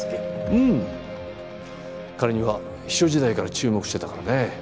うん彼には秘書時代から注目してたからね。